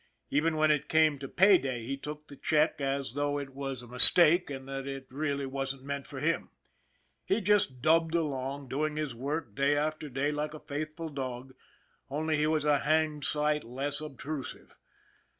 Even when it came to pay day he took his check as 66 SPITZER 67 though it was a mistake and that it really wasn't meant for him. He just dubbed along, doing his work day after day like a faithful dog, only he was a hanged sight less obtrusive.